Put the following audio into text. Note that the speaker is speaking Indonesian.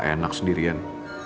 ternyata gak enak sendirian